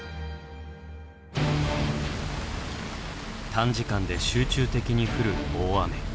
短時間で集中的に降る大雨。